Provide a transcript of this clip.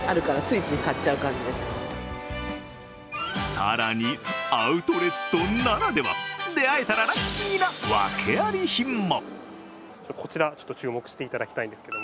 更に、アウトレットならでは出会えたらラッキーなワケあり品も。